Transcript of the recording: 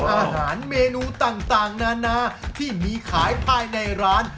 อาหารเมนูต่างนานาที่มีขายภายในร้าน